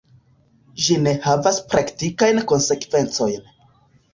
Ĝi ne havas praktikajn konsekvencojn.